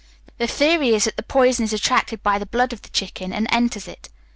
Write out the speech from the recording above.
The theory is that the poison is attracted by the blood of the chicken, and enters it.